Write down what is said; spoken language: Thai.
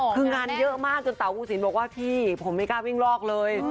คืองานเยอะมากจนเต่าภูสินบอกว่าพี่ผมไม่กล้าวิ่งลอกเลย